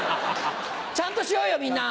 ちゃんとしようよみんな！